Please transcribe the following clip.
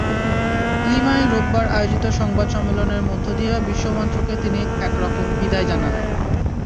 লিমায় রোববার আয়োজিত সংবাদ সম্মেলনের মধ্য দিয়ে বিশ্বমঞ্চকে তিনি একরকম বিদায় জানালেন।